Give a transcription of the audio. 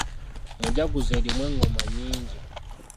Mujaguzo erimu engoma nnyingi.